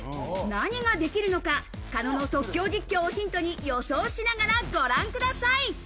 何ができるのか、狩野の即興実況をヒントに予想しながらご覧ください。